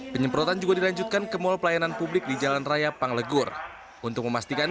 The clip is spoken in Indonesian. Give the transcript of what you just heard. penyemprotan juga dilanjutkan kemul pelayanan publik di jalan raya panglegor untuk memastikan